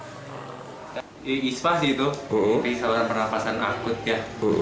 ini ispa sih itu saluran pernafasan akut ya